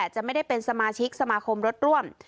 จะไม่ได้เป็นสมาชิกสมาคมรถร่วม